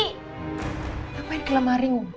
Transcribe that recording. kamu main ke lemari ngomong